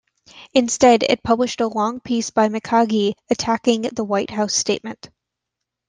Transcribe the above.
Instead it published a long piece by McCaughey attacking the White House statement.